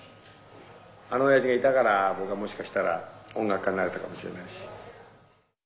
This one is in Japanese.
あの親父がいたから僕はもしかしたら音楽家になれたかもしれないし。